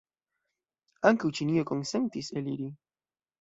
Ankaŭ Ĉinio konsentis eliri.